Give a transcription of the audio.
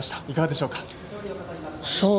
いかがでしょうか？